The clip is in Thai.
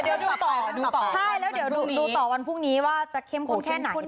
ใช่แล้วเดี๋ยวดูต่อวันพรุ่งนี้ว่าจะเข้มข้นแค่ไหน